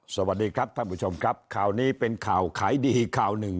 สวัสดีครับท่านผู้ชมครับข่าวนี้เป็นข่าวขายดีข่าวหนึ่ง